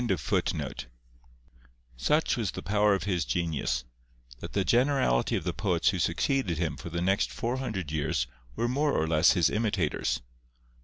{25b} Such was the power of his genius, that the generality of the poets who succeeded him for the next four hundred years were more or less his imitators.